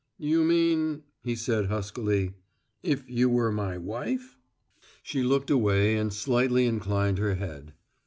"You mean," he said huskily, "if you were my wife?" She looked away, and slightly inclined her head.